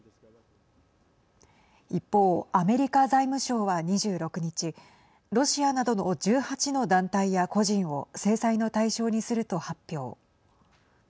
一方、アメリカ財務省は２６日ロシアなどの１８の団体や個人を制裁の対象にすると発表。